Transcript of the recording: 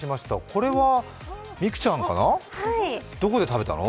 これは美空ちゃんかな、どこで食べたの？